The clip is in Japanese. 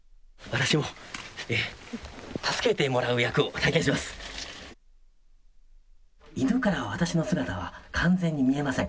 私も助けてもらう役を体験します。